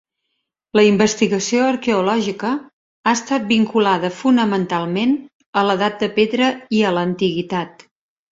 La investigació arqueològica ha estat vinculada fonamentalment a l'edat de pedra i a l'antiguitat.